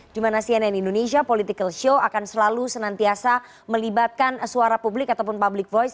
di mana cnn indonesia political show akan selalu senantiasa melibatkan suara publik ataupun public voice